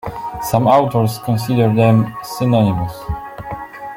Some authors consider them synonymous.